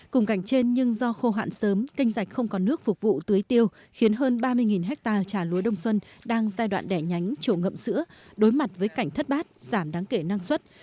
cùng cảnh trên nhưng do khô hạn sớm canh rạch không có nước phục vụ tưới tiêu khiến hơn ba mươi ha trà lúa đông xuân đang giai đoạn đẻ nhánh chỗ ngậm sữa đối mặt với cảnh thất bát giảm đáng kể năng suất